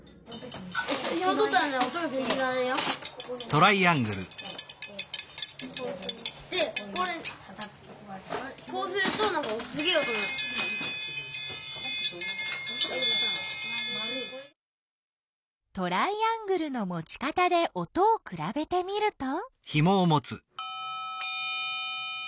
トライアングルの持ち方で音をくらべてみると。